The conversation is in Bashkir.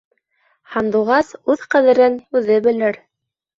Һандуғас үҙ ҡәҙерен үҙе белер.